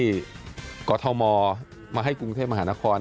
และกรดธรมมาให้กรุงเทพมหานคร